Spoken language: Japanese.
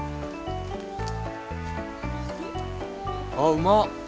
あっうま！